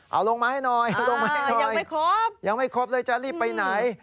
เอาลงมาให้หน่อยเอาลงมาให้หน่อยไม่ครบยังไม่ครบเลยจะรีบไปไหน